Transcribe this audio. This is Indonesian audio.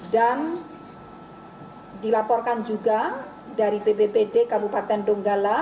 dan dilaporkan juga dari pbbd kabupaten donggala